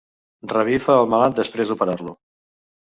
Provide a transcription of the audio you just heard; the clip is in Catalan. Revifa el malalt després d'operar-lo.